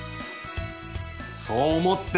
そう思って。